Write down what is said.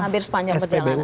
hampir sepanjang perjalanan